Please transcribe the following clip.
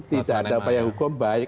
tidak ada upaya hukum